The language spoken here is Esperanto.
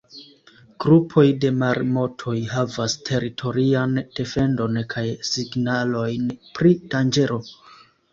Grupoj de marmotoj havas teritorian defendon kaj signalojn pri danĝero.